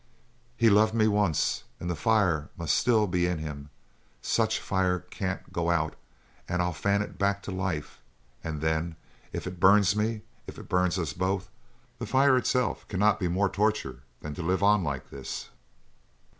"He loved me once; and the fire must still be in him; such fire can't go out, and I'll fan it back to life, and then if it burns me if it burns us both the fire itself cannot be more torture than to live on like this!"